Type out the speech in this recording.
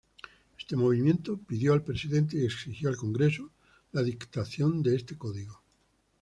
Este movimiento pidió al presidente y exigió al Congreso la dictación de este Código.